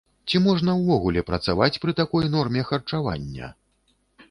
Ці можна ўвогуле працаваць пры такой норме харчавання?